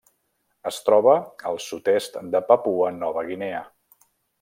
Es troba al sud-est de Papua Nova Guinea.